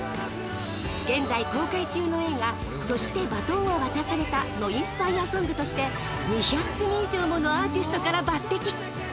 現在公開中の映画そして、バトンは渡されたのインスパイアソングとして２００組以上のアーティストから抜てき。